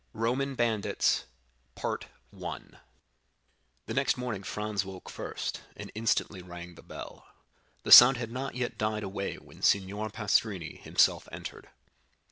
Roman Bandits The next morning Franz woke first, and instantly rang the bell. The sound had not yet died away when Signor Pastrini himself entered.